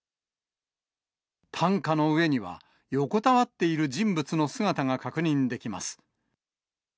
担架の上には、横たわっている人物の姿が確認できます。